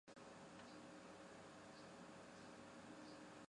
宪宗发兵征讨。